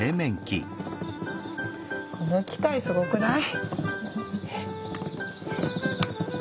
この機械すごくない？